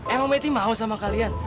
emang itu mau sama kalian